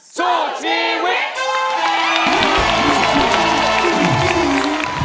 สู้ชีวิต